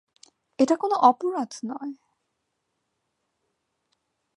এটা কোন অপরাধ নয়!